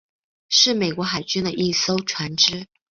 是美国海军的一艘船只。